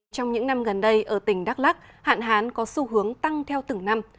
trong những năm gần đây ở tỉnh đắk lắc hạn hán có xu hướng tăng theo từng năm